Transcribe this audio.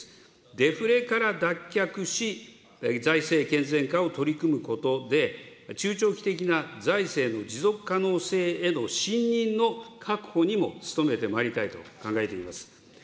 デフレから脱却し、財政健全化を取り組むことで、中長期的な財政の持続可能性への信認の確保にも努めてまいりたいと考えております。